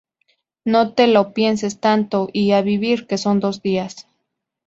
No te lo pienses tanto y ¡A vivir que son dos días!